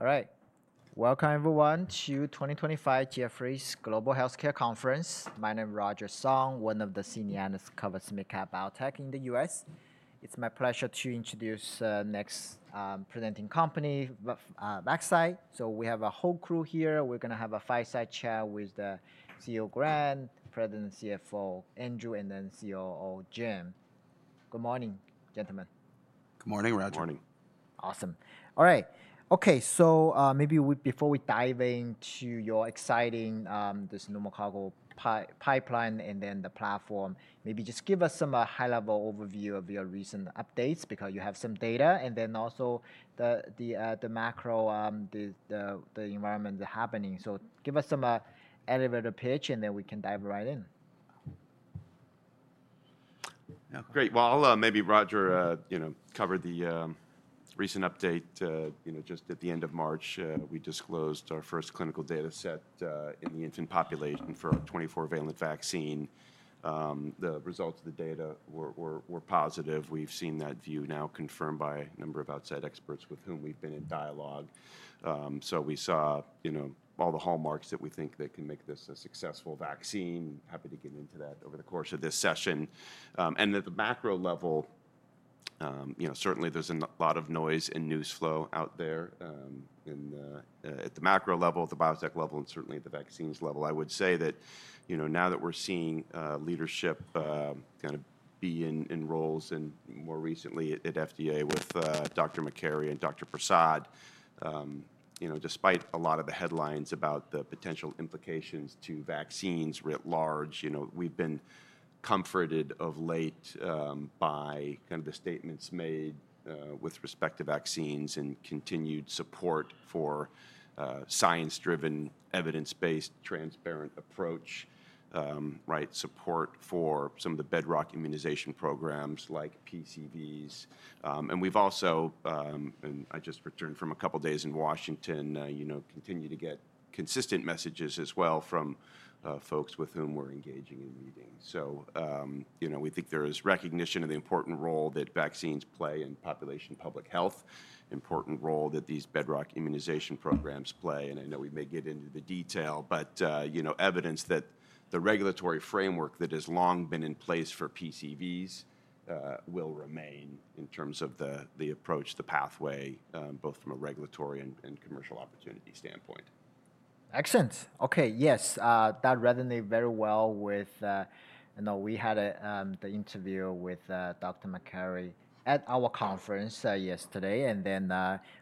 All right. Welcome, everyone, to 2025 Jefferies Global Healthcare Conference. My name is Roger Song, one of the senior analysts covering Medical Biotech in the U.S. It's my pleasure to introduce the next presenting company, Vaxcyte. So we have a whole crew here. We're going to have a fireside chat with the CEO, Grant, President, CFO Andrew, and then COO, Jim. Good morning, gentlemen. Good morning, Roger. Good morning. Awesome. All right. Okay, so maybe before we dive into your exciting, this new pneumococcal pipeline and then the platform, maybe just give us some high-level overview of your recent updates because you have some data and then also the macro, the environment that's happening. Give us some elevator pitch and then we can dive right in. Yeah, great. I'll maybe, Roger, cover the recent update. Just at the end of March, we disclosed our first clinical data set in the infant population for our 24-valent vaccine. The results of the data were positive. We've seen that view now confirmed by a number of outside experts with whom we've been in dialogue. We saw all the hallmarks that we think that can make this a successful vaccine. Happy to get into that over the course of this session. At the macro level, certainly there's a lot of noise and news flow out there at the macro level, the biotech level, and certainly at the vaccines level. I would say that now that we're seeing leadership kind of be in roles and more recently at FDA with Dr. Makary and Dr. Prasad, despite a lot of the headlines about the potential implications to vaccines writ large, we've been comforted of late by kind of the statements made with respect to vaccines and continued support for science-driven, evidence-based, transparent approach, support for some of the bedrock immunization programs like PCVs. We've also, and I just returned from a couple of days in Washington, continue to get consistent messages as well from folks with whom we're engaging in meetings. We think there is recognition of the important role that vaccines play in population public health, important role that these bedrock immunization programs play. I know we may get into the detail, but evidence that the regulatory framework that has long been in place for PCVs will remain in terms of the approach, the pathway, both from a regulatory and commercial opportunity standpoint. Excellent. Okay, yes, that resonated very well with we had the interview with Dr. McCarry at our conference yesterday. In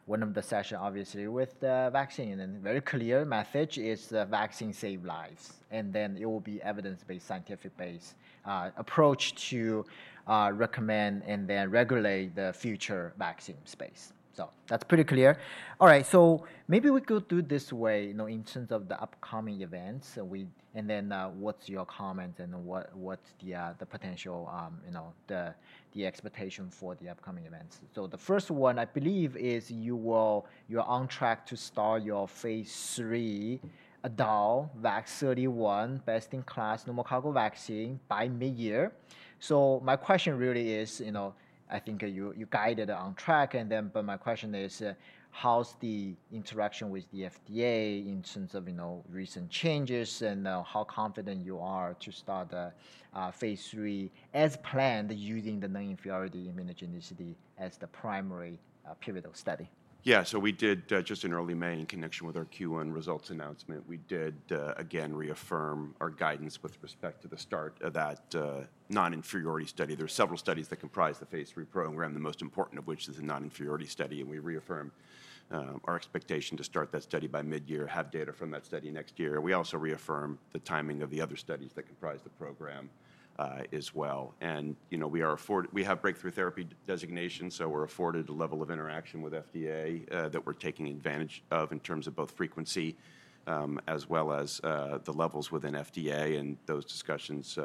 one of the sessions, obviously, with the vaccine, the very clear message is Vaccine Saves Lives. It will be evidence-based, scientific-based approach to recommend and then regulate the future vaccine space. That is pretty clear. All right, maybe we could do this way in terms of the upcoming events. What is your comment and what is the potential, the expectation for the upcoming events? The first one, I believe, is you are on track to start your phase III adult VAX-31 best in class pneumococcal vaccine by mid-year. My question really is, I think you guided on track, but my question is, how's the interaction with the FDA in terms of recent changes and how confident you are to start phase III as planned using the non-inferiority immunogenicity as the primary pivotal study? Yeah, so we did just in early May, in connection with our Q1 results announcement, we did again reaffirm our guidance with respect to the start of that non-inferiority study. There are several studies that comprise the phase III program, the most important of which is a non-inferiority study. We reaffirmed our expectation to start that study by mid-year, have data from that study next year. We also reaffirmed the timing of the other studies that comprise the program as well. We have breakthrough therapy designations, so we're afforded a level of interaction with FDA that we're taking advantage of in terms of both frequency as well as the levels within FDA. Those discussions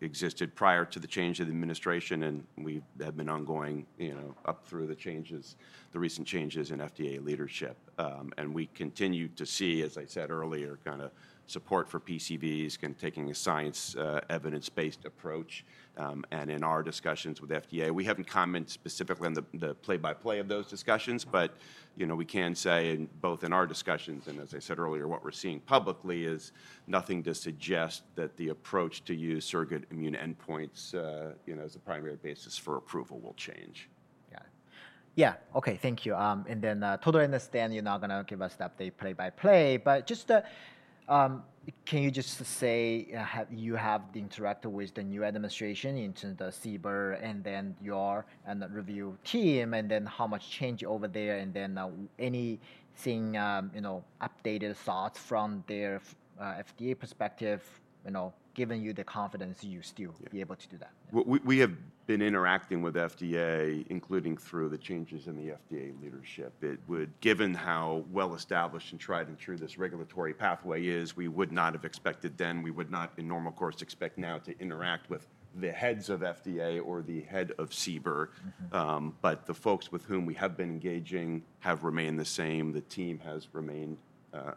existed prior to the change of the administration, and we have been ongoing up through the changes, the recent changes in FDA leadership. We continue to see, as I said earlier, kind of support for PCVs, kind of taking a science-evidence-based approach. In our discussions with FDA, we have not commented specifically on the play-by-play of those discussions, but we can say both in our discussions and, as I said earlier, what we are seeing publicly is nothing to suggest that the approach to use surrogate immune endpoints as a primary basis for approval will change. Yeah. Yeah, okay, thank you. I totally understand you're not going to give us the update play-by-play, but just can you just say you have interacted with the new administration in terms of the CBER and then your review team and then how much changed over there? Anything, updated thoughts from their FDA perspective, giving you the confidence you still be able to do that? We have been interacting with FDA, including through the changes in the FDA leadership. Given how well-established and tried and true this regulatory pathway is, we would not have expected then, we would not in normal course expect now to interact with the heads of FDA or the head of CBER. The folks with whom we have been engaging have remained the same. The team has remained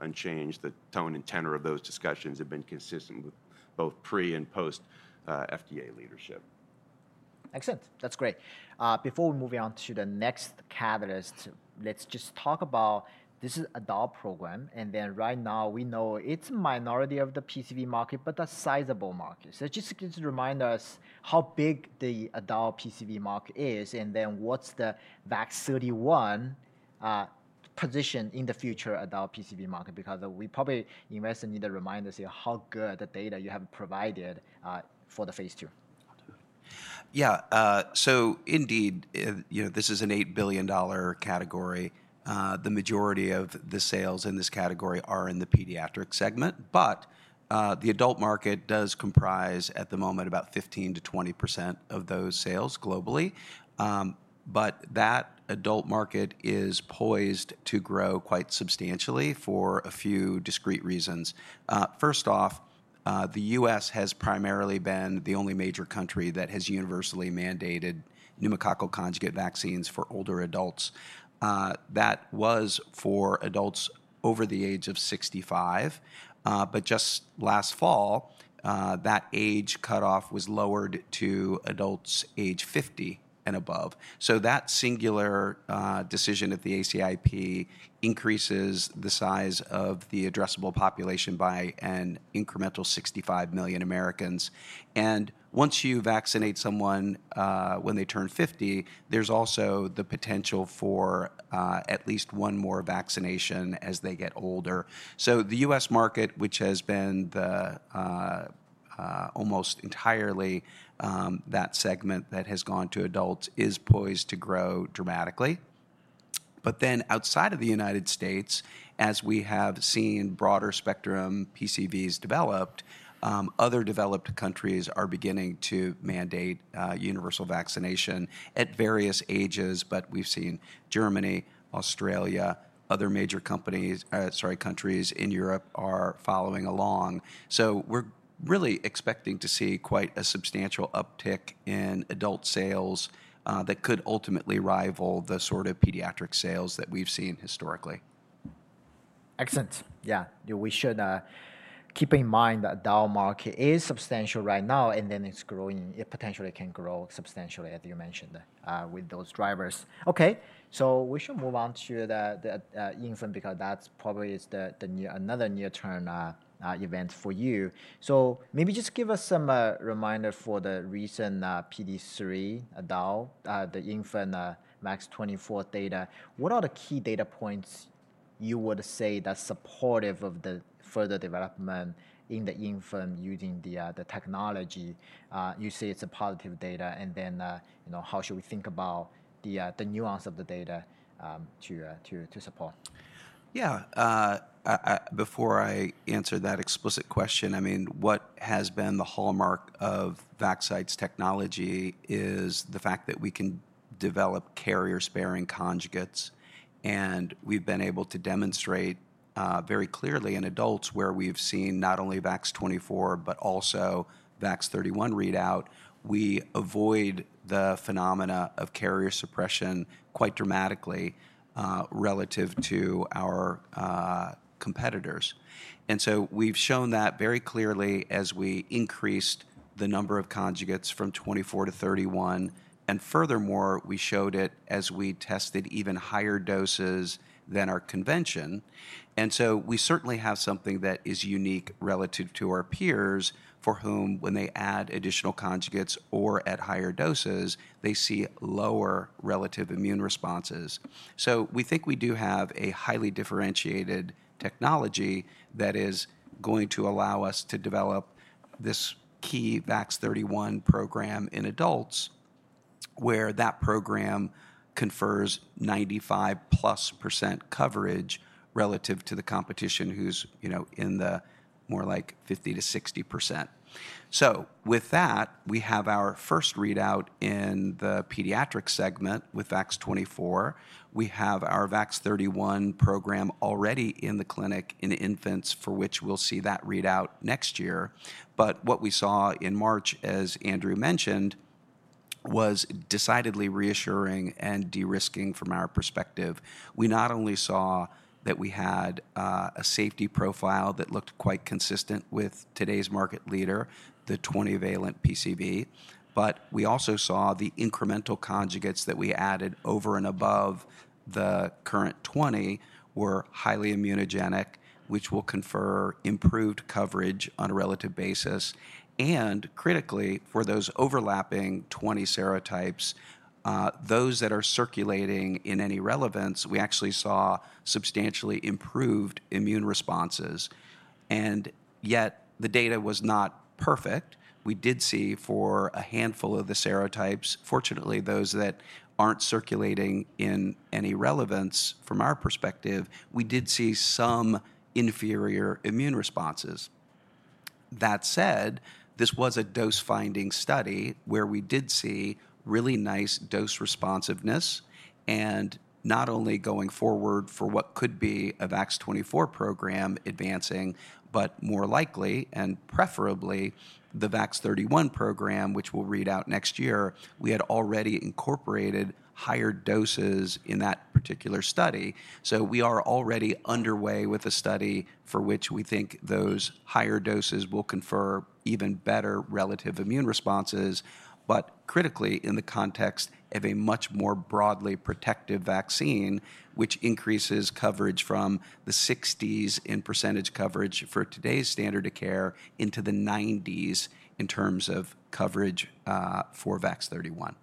unchanged. The tone and tenor of those discussions have been consistent with both pre and post-FDA leadership. Excellent. That's great. Before we move on to the next catalyst, let's just talk about this is an adult program. Right now we know it's a minority of the PCV market, but a sizable market. Just remind us how big the adult PCV market is and then what's the VAX-31 position in the future adult PCV market because we probably invest in the reminder to see how good the data you have provided for the phase II. Yeah, so indeed, this is an $8 billion category. The majority of the sales in this category are in the pediatric segment, but the adult market does comprise at the moment about 15%-20% of those sales globally. That adult market is poised to grow quite substantially for a few discrete reasons. First off, the U.S. has primarily been the only major country that has universally mandated pneumococcal conjugate vaccines for older adults. That was for adults over the age of 65, but just last fall, that age cutoff was lowered to adults age 50 and above. That singular decision at the ACIP increases the size of the addressable population by an incremental 65 million Americans. Once you vaccinate someone when they turn 50, there's also the potential for at least one more vaccination as they get older. The U.S. market, which has been almost entirely that segment that has gone to adults, is poised to grow dramatically. Then outside of the United States, as we have seen broader spectrum PCVs developed, other developed countries are beginning to mandate universal vaccination at various ages, but we've seen Germany, Australia, other major countries in Europe are following along. We are really expecting to see quite a substantial uptick in adult sales that could ultimately rival the sort of pediatric sales that we've seen historically. Excellent. Yeah, we should keep in mind that the adult market is substantial right now and then it's growing, it potentially can grow substantially, as you mentioned, with those drivers. Okay, we should move on to the infant because that's probably another near-term event for you. Maybe just give us some reminder for the recent PD3 adult, the infant VAX-24 data. What are the key data points you would say that's supportive of the further development in the infant using the technology? You say it's a positive data. How should we think about the nuance of the data to support? Yeah, before I answer that explicit question, I mean, what has been the hallmark of Vaxcyte's technology is the fact that we can develop carrier-sparing conjugates. And we've been able to demonstrate very clearly in adults where we've seen not only VAX-24, but also VAX-31 readout, we avoid the phenomena of carrier suppression quite dramatically relative to our competitors. And so we've shown that very clearly as we increased the number of conjugates from 24-to-31. And furthermore, we showed it as we tested even higher doses than our convention. And so we certainly have something that is unique relative to our peers for whom when they add additional conjugates or at higher doses, they see lower relative immune responses. We think we do have a highly differentiated technology that is going to allow us to develop this key VAX-31 program in adults where that program confers 95% plus coverage relative to the competition who's in the more like 50-60%. With that, we have our first readout in the pediatric segment with VAX-24. We have our VAX-31 program already in the clinic in infants for which we'll see that readout next year. What we saw in March, as Andrew mentioned, was decidedly reassuring and de-risking from our perspective. We not only saw that we had a safety profile that looked quite consistent with today's market leader, the 20-valent PCV, but we also saw the incremental conjugates that we added over and above the current 20 were highly immunogenic, which will confer improved coverage on a relative basis. Critically, for those overlapping 20 serotypes, those that are circulating in any relevance, we actually saw substantially improved immune responses. Yet the data was not perfect. We did see for a handful of the serotypes, fortunately, those that are not circulating in any relevance from our perspective, we did see some inferior immune responses. That said, this was a dose-finding study where we did see really nice dose responsiveness and not only going forward for what could be a VAX-24 program advancing, but more likely and preferably the VAX-31 program, which will read out next year, we had already incorporated higher doses in that particular study. We are already underway with a study for which we think those higher doses will confer even better relative immune responses, but critically in the context of a much more broadly protective vaccine, which increases coverage from the 60s in % coverage for today's standard of care into the 90s in terms of coverage for VAX-31.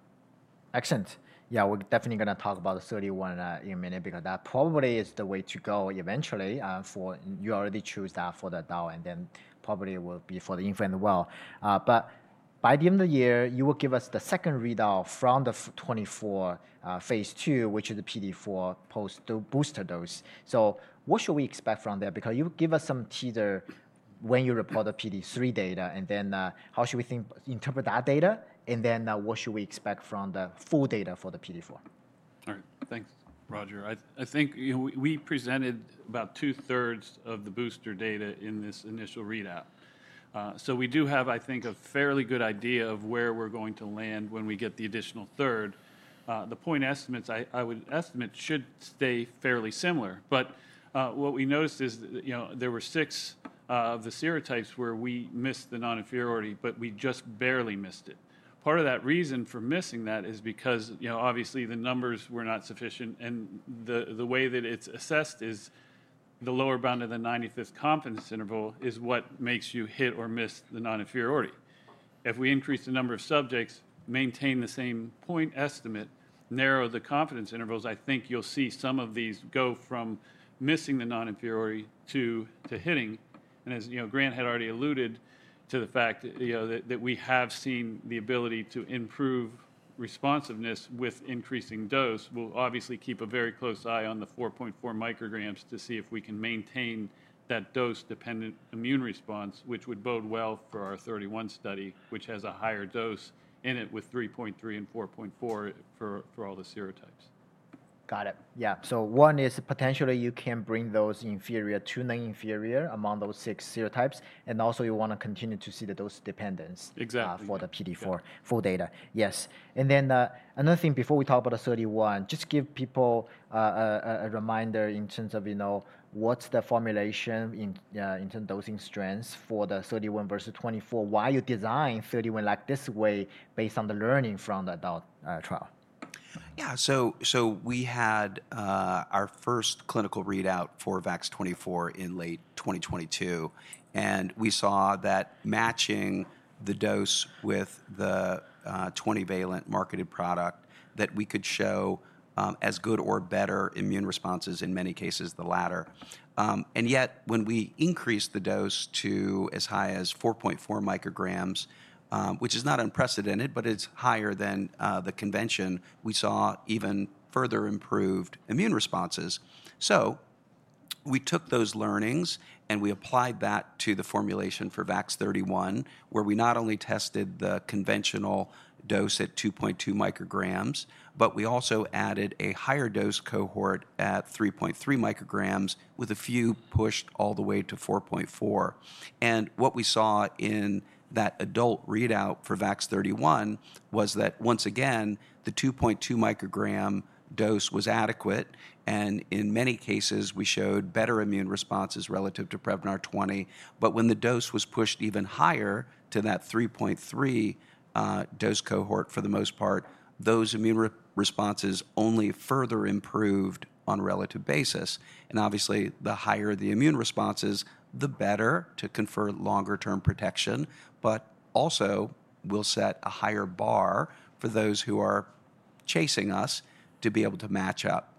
Excellent. Yeah, we're definitely going to talk about the 31 in a minute because that probably is the way to go eventually for you already choose that for the adult and then probably will be for the infant as well. By the end of the year, you will give us the second readout from the 24 phase III, which is the PD4 post booster dose. What should we expect from there? Because you give us some teaser when you report the PD3 data and then how should we think, interpret that data? What should we expect from the full data for the PD4? All right, thanks, Roger. I think we presented about two-thirds of the booster data in this initial readout. We do have, I think, a fairly good idea of where we're going to land when we get the additional third. The point estimates, I would estimate, should stay fairly similar. What we noticed is there were six of the serotypes where we missed the non-inferiority, but we just barely missed it. Part of that reason for missing that is because obviously the numbers were not sufficient and the way that it's assessed is the lower bound of the 95% confidence interval is what makes you hit or miss the non-inferiority. If we increase the number of subjects, maintain the same point estimate, narrow the confidence intervals, I think you'll see some of these go from missing the non-inferiority to hitting. As Grant had already alluded to the fact that we have seen the ability to improve responsiveness with increasing dose, we will obviously keep a very close eye on the 4.4 micrograms to see if we can maintain that dose-dependent immune response, which would bode well for our 31-study, which has a higher dose in it with 3.3 and 4.4 for all the serotypes. Got it. Yeah. So one is potentially you can bring those inferior to non-inferior among those six serotypes. And also you want to continue to see the dose dependence. Exactly. For the PD4 full data. Yes. Another thing before we talk about the 31, just give people a reminder in terms of what's the formulation in terms of dosing strengths for the 31 versus 24, why you design 31 like this way based on the learning from the adult trial. Yeah, so we had our first clinical readout for VAX-24 in late 2022. We saw that matching the dose with the 20-valent marketed product, we could show as good or better immune responses, in many cases the latter. Yet when we increased the dose to as high as 4.4 micrograms, which is not unprecedented but is higher than the convention, we saw even further improved immune responses. We took those learnings and applied that to the formulation for VAX-31, where we not only tested the conventional dose at 2.2 micrograms, but we also added a higher dose cohort at 3.3 micrograms, with a few pushed all the way to 4.4. What we saw in that adult readout for VAX-31 was that once again, the 2.2 microgram dose was adequate. In many cases, we showed better immune responses relative to Prevnar 20. When the dose was pushed even higher to that 3.3 dose cohort, for the most part, those immune responses only further improved on a relative basis. Obviously, the higher the immune responses, the better to confer longer-term protection, but also will set a higher bar for those who are chasing us to be able to match up.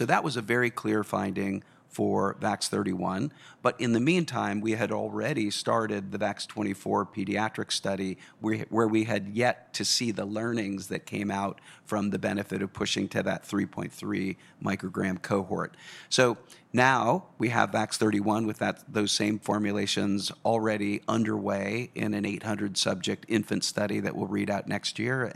That was a very clear finding for VAX-31. In the meantime, we had already started the VAX-24 pediatric study where we had yet to see the learnings that came out from the benefit of pushing to that 3.3 microgram cohort. Now we have VAX-31 with those same formulations already underway in an 800-subject infant study that will read out next year.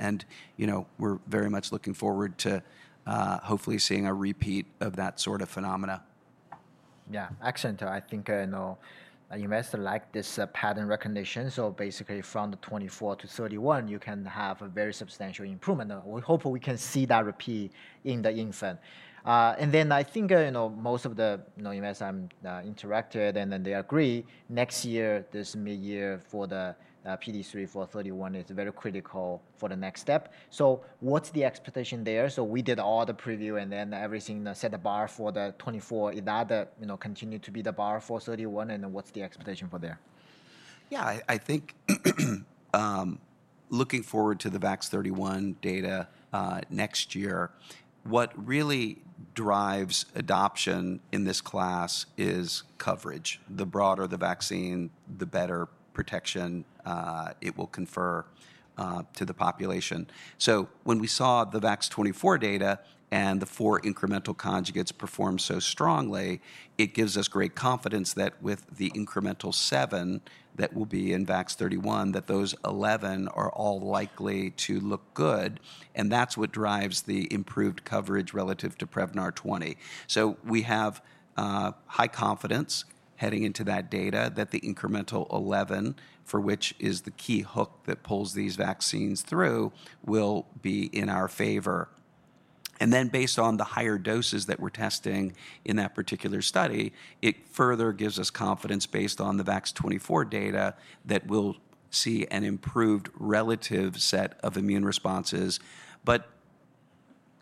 We're very much looking forward to hopefully seeing a repeat of that sort of phenomena. Yeah, excellent. I think investors like this pattern recognition. So basically from the 24-to-31, you can have a very substantial improvement. We hope we can see that repeat in the infant. And then I think most of the investors I've interacted and then they agree next year, this mid-year for the PD3 for 31 is very critical for the next step. What's the expectation there? We did all the preview and then everything set the bar for the 24, it continued to be the bar for 31. What's the expectation for there? Yeah, I think looking forward to the VAX-31 data next year, what really drives adoption in this class is coverage. The broader the vaccine, the better protection it will confer to the population. When we saw the VAX-24 data and the four incremental conjugates perform so strongly, it gives us great confidence that with the incremental seven that will be in VAX-31, that those 11 are all likely to look good. That is what drives the improved coverage relative to Prevnar 20. We have high confidence heading into that data that the incremental 11, for which is the key hook that pulls these vaccines through, will be in our favor. Based on the higher doses that we're testing in that particular study, it further gives us confidence based on the VAX-24 data that we'll see an improved relative set of immune responses.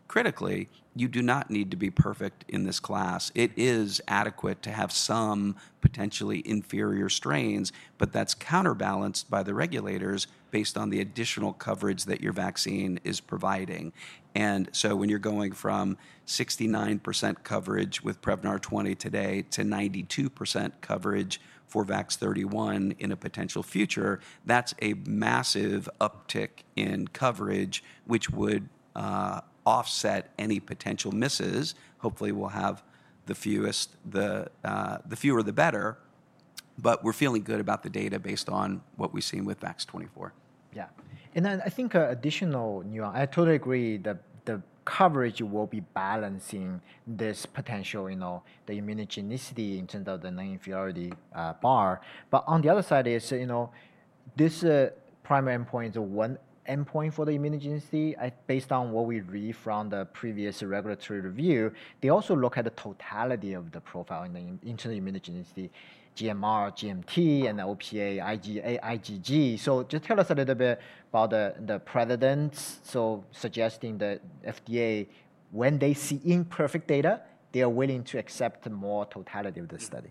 Critically, you do not need to be perfect in this class. It is adequate to have some potentially inferior strains, but that's counterbalanced by the regulators based on the additional coverage that your vaccine is providing. When you're going from 69% coverage with Prevnar 20 today to 92% coverage for VAX-31 in a potential future, that's a massive uptick in coverage, which would offset any potential misses. Hopefully, we'll have the fewer the better, but we're feeling good about the data based on what we've seen with VAX-24. Yeah. I think additional, I totally agree that the coverage will be balancing this potential, the immunogenicity in terms of the non-inferiority bar. On the other side, this primary endpoint is one endpoint for the immunogenicity based on what we read from the previous regulatory review. They also look at the totality of the profile in terms of immunogenicity, GMR, GMT, and OPA, IgA, IgG. Just tell us a little bit about the precedents. Suggesting the FDA, when they see imperfect data, they are willing to accept more totality of the study.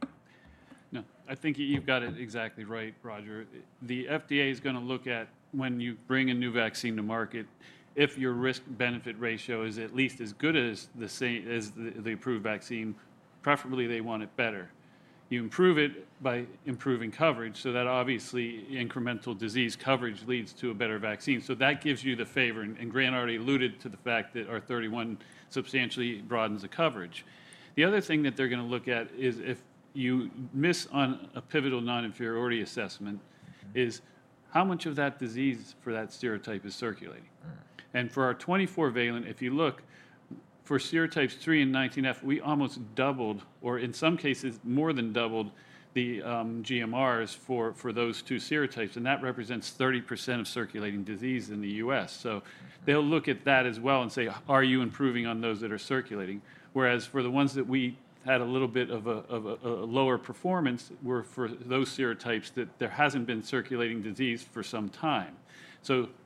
No, I think you've got it exactly right, Roger. The FDA is going to look at when you bring a new vaccine to market, if your risk-benefit ratio is at least as good as the approved vaccine, preferably they want it better. You improve it by improving coverage. That obviously incremental disease coverage leads to a better vaccine. That gives you the favor. Grant already alluded to the fact that our 31 substantially broadens the coverage. The other thing that they're going to look at is if you miss on a pivotal non-inferiority assessment is how much of that disease for that serotype is circulating. For our 24-valent, if you look for serotypes 3 and 19F, we almost doubled or in some cases more than doubled the GMRs for those two serotypes. That represents 30% of circulating disease in the U.S. They'll look at that as well and say, are you improving on those that are circulating? Whereas for the ones that we had a little bit of a lower performance were for those serotypes that there hasn't been circulating disease for some time.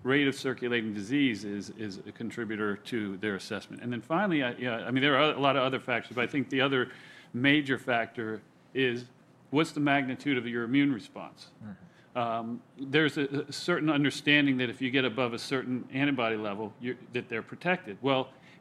Rate of circulating disease is a contributor to their assessment. Finally, I mean, there are a lot of other factors, but I think the other major factor is what's the magnitude of your immune response? There's a certain understanding that if you get above a certain antibody level, that they're protected.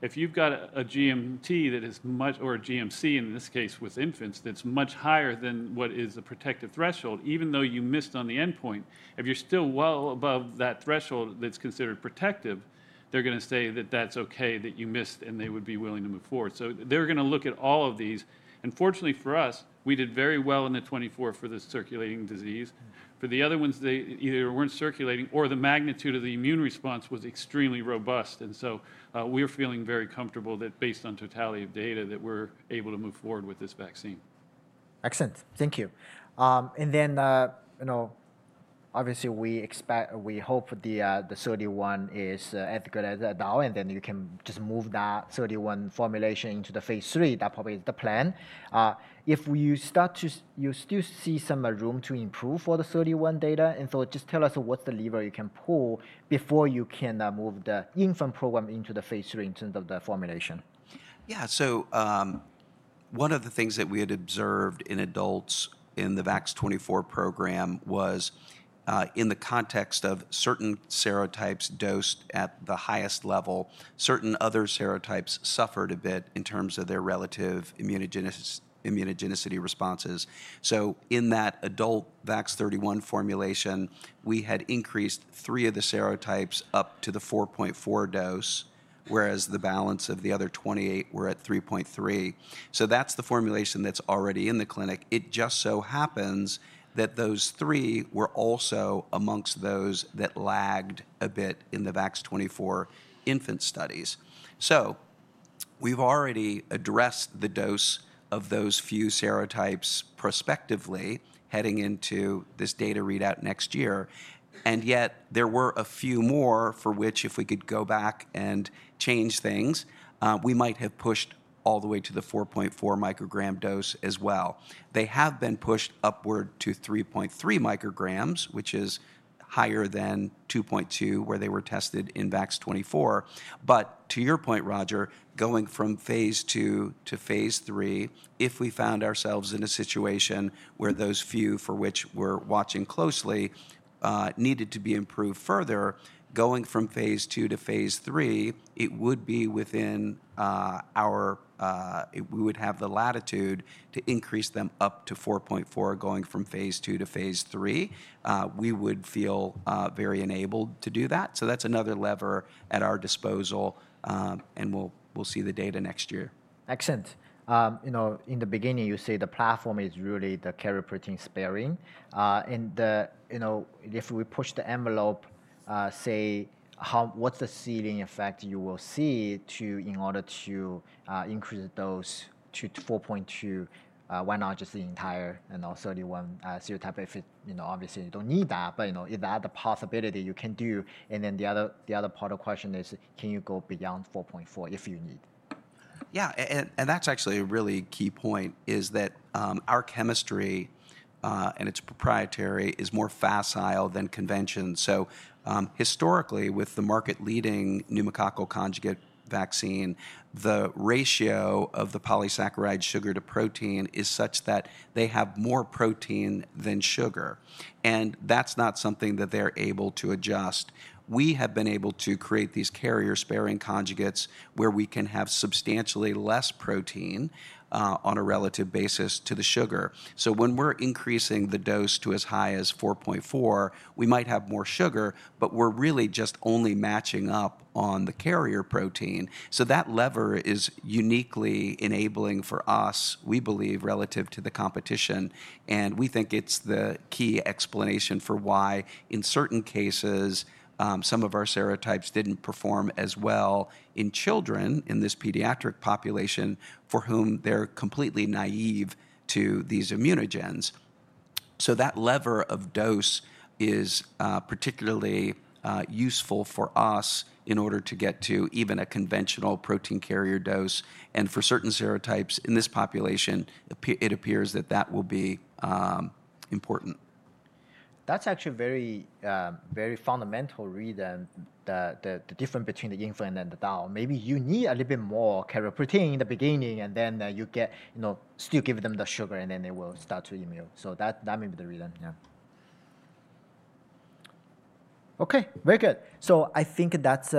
If you've got a GMT that is much or a GMC, in this case with infants, that's much higher than what is the protective threshold, even though you missed on the endpoint, if you're still well above that threshold that's considered protective, they're going to say that that's okay that you missed and they would be willing to move forward. They're going to look at all of these. Fortunately for us, we did very well in the 24 for the circulating disease. For the other ones, they either weren't circulating or the magnitude of the immune response was extremely robust. We're feeling very comfortable that based on totality of data that we're able to move forward with this vaccine. Excellent. Thank you. Obviously we hope the 31 is as good as adult and then you can just move that 31 formulation into the phase III. That probably is the plan. If you start to, you'll still see some room to improve for the 31 data. Just tell us what's the lever you can pull before you can move the infant program into the phase III in terms of the formulation. Yeah. So one of the things that we had observed in adults in the VAX-24 program was in the context of certain serotypes dosed at the highest level, certain other serotypes suffered a bit in terms of their relative immunogenicity responses. In that adult VAX-31 formulation, we had increased three of the serotypes up to the 4.4 dose, whereas the balance of the other 28 were at 3.3. That's the formulation that's already in the clinic. It just so happens that those three were also amongst those that lagged a bit in the VAX-24 infant studies. We've already addressed the dose of those few serotypes prospectively heading into this data readout next year. Yet there were a few more for which if we could go back and change things, we might have pushed all the way to the 4.4 microgram dose as well. They have been pushed upward to 3.3 micrograms, which is higher than 2.2 where they were tested in VAX-24. To your point, Roger, going from phase II to phase III, if we found ourselves in a situation where those few for which we're watching closely needed to be improved further, going from phase two to phase three, it would be within our, we would have the latitude to increase them up to 4.4 going from phase II to phase III. We would feel very enabled to do that. That is another lever at our disposal and we'll see the data next year. Excellent. In the beginning, you say the platform is really the carrier protein sparing. If we push the envelope, say what's the ceiling effect you will see in order to increase the dose to 4.2? Why not just the entire 31 serotype? Obviously, you don't need that, but if that's a possibility, you can do. The other part of the question is, can you go beyond 4.4 if you need? Yeah. That's actually a really key-point is that our chemistry, and its proprietary, is more facile than convention. Historically, with the market-leading pneumococcal conjugate vaccine, the ratio of the polysaccharide sugar to protein is such that they have more protein than sugar. That's not something that they're able to adjust. We have been able to create these carrier-sparing conjugates where we can have substantially less protein on a relative basis to the sugar. When we're increasing the dose to as high as 4.4, we might have more sugar, but we're really just only matching up on the carrier protein. That lever is uniquely enabling for us, we believe, relative to the competition. We think it's the key explanation for why in certain cases, some of our serotypes didn't perform as well in children in this pediatric population for whom they're completely naive to these immunogens. That lever of dose is particularly useful for us in order to get to even a conventional protein carrier dose. For certain serotypes in this population, it appears that that will be important. That's actually a very fundamental reason, the difference between the infant and the adult. Maybe you need a little bit more carrier protein in the beginning and then you still give them the sugar and then they will start to immune. That may be the reason. Yeah. Okay. Very good. I think that's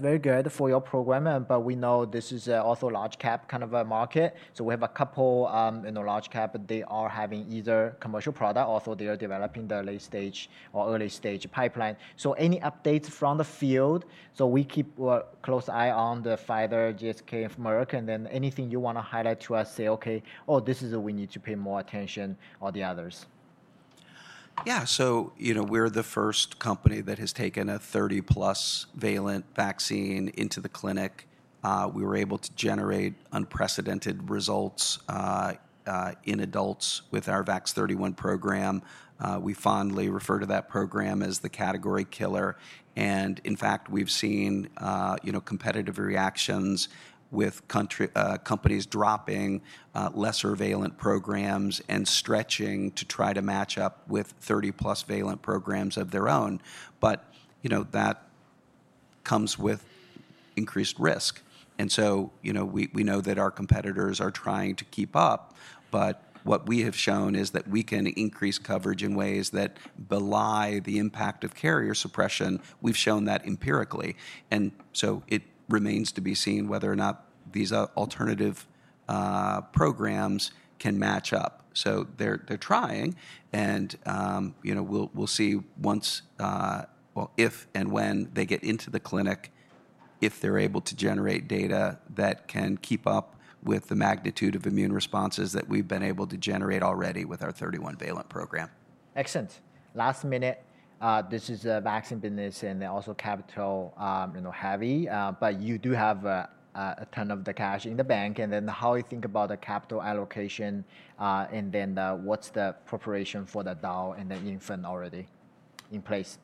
very good for your program, but we know this is also a large cap kind of a market. We have a couple large cap, but they are having either commercial product or they are developing the late stage or early stage pipeline. Any updates from the field? We keep a close eye on Pfizer, GSK, and Merck. Anything you want to highlight to us, say, okay, oh, this is what we need to pay more attention or the others. Yeah. We are the first company that has taken a 30-plus valent vaccine into the clinic. We were able to generate unprecedented results in adults with our VAX-31 program. We fondly refer to that program as the category killer. In fact, we have seen competitive reactions with companies dropping lesser valent programs and stretching to try to match up with 30-plus valent programs of their own. That comes with increased risk. We know that our competitors are trying to keep up, but what we have shown is that we can increase coverage in ways that belie the impact of carrier suppression. We have shown that empirically. It remains to be seen whether or not these alternative programs can match up. They're trying and we'll see once, if and when they get into the clinic, if they're able to generate data that can keep up with the magnitude of immune responses that we've been able to generate already with our 31-valent program. Excellent. Last minute. This is a vaccine business and also capital heavy, but you do have a ton of the cash in the bank. How do you think about the capital allocation? What's the preparation for the adult and the infant already in place?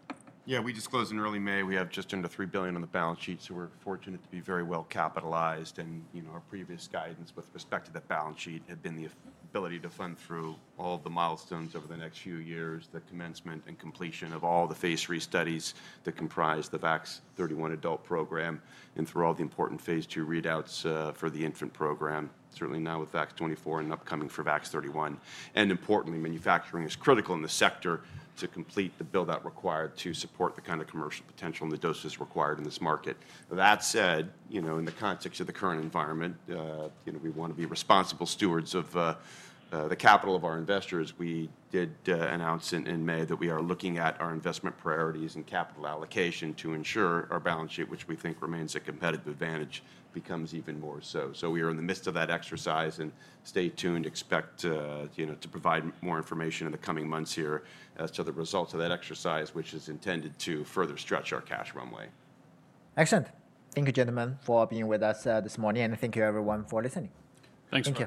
Yeah, we disclosed in early May, we have just under $3 billion on the balance sheet. We are fortunate to be very well capitalized. Our previous guidance with respect to that balance sheet had been the ability to fund through all of the milestones over the next few years, the commencement and completion of all the phase three studies that comprise the VAX-31 adult program and through all the important phase II readouts for the infant program, certainly now with VAX-24 and upcoming for VAX-31. Importantly, manufacturing is critical in the sector to complete the buildout required to support the kind of commercial potential and the doses required in this market. That said, in the context of the current environment, we want to be responsible stewards of the capital of our investors. We did announce in May that we are looking at our investment priorities and capital allocation to ensure our balance sheet, which we think remains a competitive advantage, becomes even more so. We are in the midst of that exercise and stay tuned, expect to provide more information in the coming months here as to the results of that exercise, which is intended to further stretch our cash runway. Excellent. Thank you, gentlemen, for being with us this morning. Thank you, everyone, for listening. Thanks for.